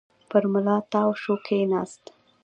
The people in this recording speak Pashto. پر ملا تاو شو، کېناست.